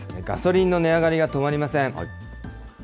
ガソリンの値上がりが止まりません。